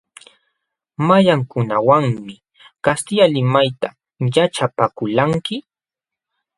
¿Mayqankunawanmi kastilla limayta yaćhapakulqanki?